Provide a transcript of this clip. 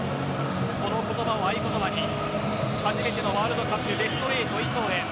この言葉を合言葉に初めてのワールドカップベスト８以上へ。